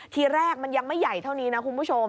ทีแรกมันยังไม่ใหญ่เท่านี้นะคุณผู้ชม